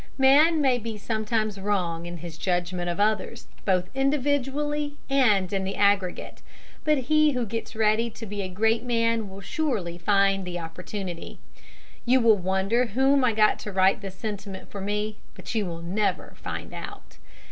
Man may be wrong sometimes in his judgment of others, both individually and in the aggregate, but he who gets ready to be a great man will surely find the opportunity. You will wonder whom I got to write this sentiment for me, but you will never find out.